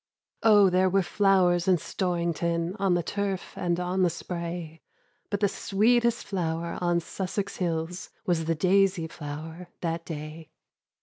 Oh, there were flowers in Storrington On the turf and on the spray; But the sweetest flower on Sussex hills Was the Daisy flower that day!